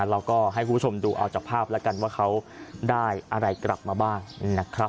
เราก็ให้คุณผู้ชมดูเอาจากภาพแล้วกันว่าเขาได้อะไรกลับมาบ้างนะครับ